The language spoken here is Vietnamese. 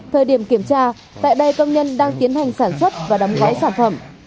thời điểm kiểm tra tại đây công nhân đang tiến hành sản xuất và đóng gói sản phẩm